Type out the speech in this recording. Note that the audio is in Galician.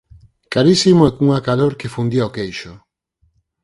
¡Carísimo e cunha calor que fundía o queixo!".